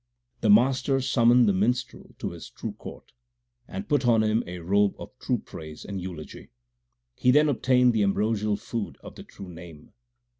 The Master summoned the minstrel to His true court, And put on him a robe of true praise and eulogy : He then obtained the ambrosial food of the true Name.